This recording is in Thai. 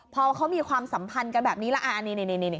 พอเขามีความสัมพันธ์กันแบบนี้แล้วอ่าอันนี้นี่นี่นี่นี่